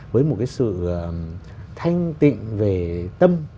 với một cái sự thanh tịnh về tâm